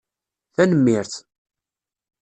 Tanemmirt.